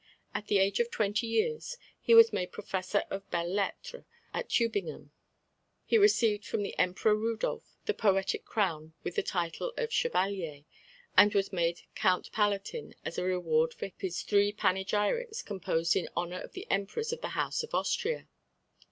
At the age of twenty years he was made Professor of Belles Lettres at Tubingen; he received from the Emperor Rudolph the poetic crown with the title of chevalier, and was made Count Palatin as a reward for his three panegyrics composed in honour of the emperors of the House of Austria.